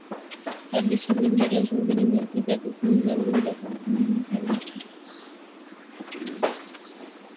hadi shilingi elfu mbili mia sita tisini na mbili za Tanzania kwa lita